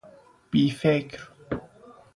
بیفکر